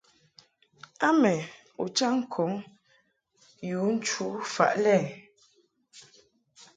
A mɛ u chaŋ ŋkɔŋ yu nchu faʼ lɛ.